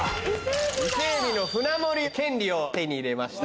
伊勢海老の舟盛り権利を手に入れました。